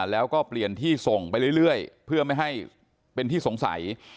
แล้วก็เปลี่ยนที่ส่งไปเรื่อยเพื่อไม่ให้เป็นที่สงสัย